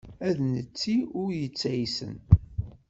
Ad netti ul yettaysen.